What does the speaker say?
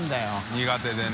苦手でね。